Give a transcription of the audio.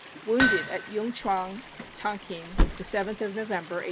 Wounded at Yung Chuang (Tonkin) the 7th of November, 1881.